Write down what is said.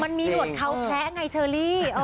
มันมีหรือเขาแพ้ไงเชอลี